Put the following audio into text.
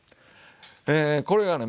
えこれがね